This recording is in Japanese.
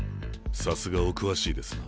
さすがお詳しいですな。